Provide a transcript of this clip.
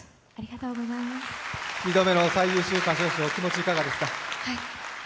２度目の最優秀歌唱賞、お気持ちはいかがですか？